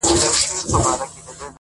حقیقت له وخت سره لا روښانیږي.!